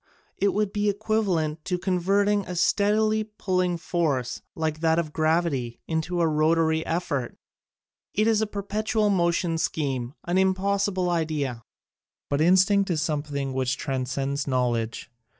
It would be equivalent to converting a steadily pulling force, like that of gravity, into a rotary effort. It is a perpetual motion scheme, an impossible idea." But instinct is something which transcends knowledge.